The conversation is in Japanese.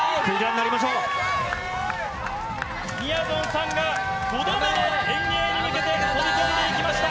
みやぞんさんが、遠泳に向けて飛び込んでいきました。